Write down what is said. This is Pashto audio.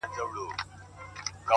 کله د خداے کلـــــــــــــه د زړه منمه